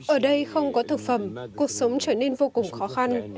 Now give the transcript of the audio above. ở đây không có thực phẩm cuộc sống trở nên vô cùng khó khăn